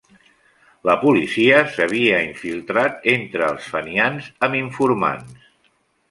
La policia s'havia infiltrat entre els fenians amb informants.